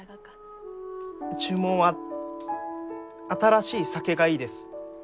注文は新しい酒がいいです。